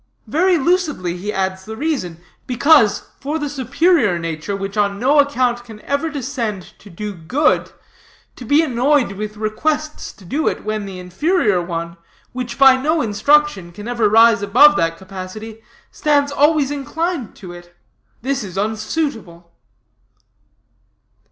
Very lucidly he adds the reason: Because, for the superior nature, which on no account can ever descend to do good, to be annoyed with requests to do it, when the inferior one, which by no instruction can ever rise above that capacity, stands always inclined to it this is unsuitable."